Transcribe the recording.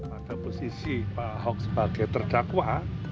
pada posisi pak ahok sebagai terdakwa